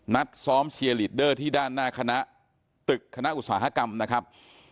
นัดซ้อมเชียร์ลีดเดอร์ที่ด้านหน้าคณะตึกคณะอุตสาหกรรมนะครับ